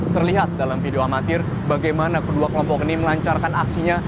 terlihat dalam video amatir bagaimana kedua kelompok ini melancarkan aksinya